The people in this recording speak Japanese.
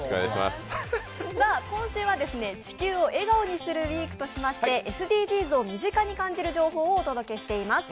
今週は「地球を笑顔にするＷＥＥＫ」としましてＳＤＧｓを身近に感じる情報をお届けしています。